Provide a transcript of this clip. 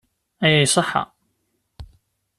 Aya iṣeḥḥa.